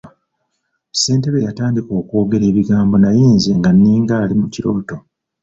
Ssentebe yatandika okwogera ebigambo naye nze nga nninga ali mu kirooto.